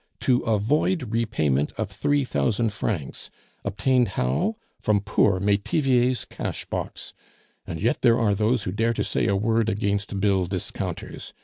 to avoid repayment of three thousand francs; obtained how? from poor Metivier's cash box! And yet there are those who dare to say a word against bill discounters!